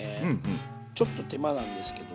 ちょっと手間なんですけど。